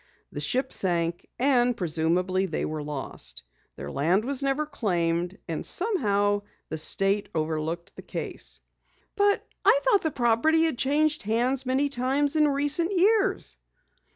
The ship sank, and presumably they were lost. Their land was never claimed, and somehow the state overlooked the case." "But I thought the property had changed hands many times in recent years!"